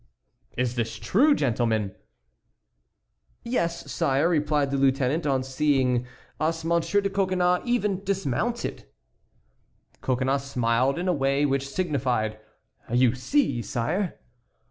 "Is this true, gentlemen?" said the King. "Yes, sire," replied the lieutenant; "on seeing us Monsieur de Coconnas even dismounted." Coconnas smiled in a way which signified, "You see, sire!"